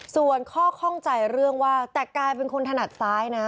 ส่วนข้อข้องใจเรื่องว่าแต่กลายเป็นคนถนัดซ้ายนะ